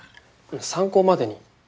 参考までに。